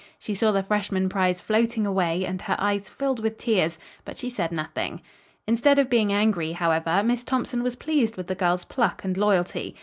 She saw the freshman prize floating away, and her eyes filled with tears, but she said nothing. Instead of being angry, however, Miss Thompson was pleased with the girl's pluck and loyalty.